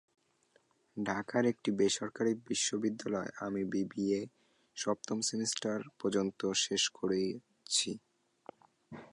ঢাকার একটি বেসরকারি বিশ্ববিদ্যালয়ে আমি বিবিএ সপ্তম সেমিস্টার পর্যন্ত শেষ করেছি।